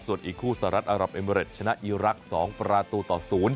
ส่วนอีกคู่สหรัฐอารับเอเมริตชนะอีรักษ์๒ประตูต่อ๐